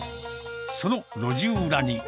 その路地裏に。